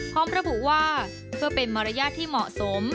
พร้อมระบุว่าเพื่อเป็นมารยาทที่เหมาะสม